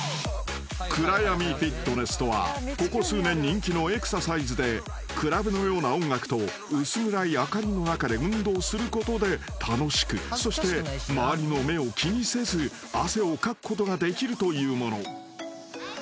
［暗闇フィットネスとはここ数年人気のエクササイズでクラブのような音楽と薄暗い明かりの中で運動することで楽しくそして周りの目を気にせず汗をかくことができるというもの］